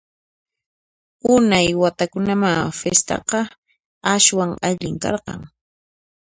Unay watakunamá fistaqa aswan allin karqan!